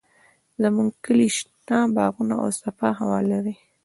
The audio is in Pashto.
زموږ کلی شنه باغونه او صافه هوا لري.